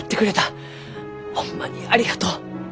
ホンマにありがとう！